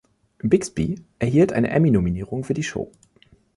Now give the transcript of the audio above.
Bixby erhielt eine Emmy-Nominierung für die Show.